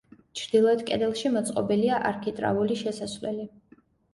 ჩრდილოეთ კედელში მოწყობილია არქიტრავული შესასვლელი.